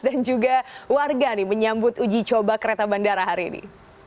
dan juga warga menyambut uji coba kereta bandara hari ini